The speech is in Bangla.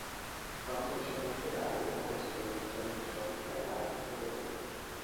কমলা সম্মুখে দাঁড়াইয়া তাহার জীবনবৃত্তান্ত সবিস্তারে আয়ত্ত করিয়া লইল।